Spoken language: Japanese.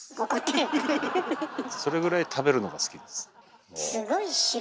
それぐらい食べるのが好きです。